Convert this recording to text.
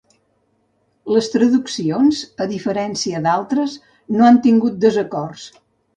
Les traduccions, a diferència d'altres, no han tingut desacords.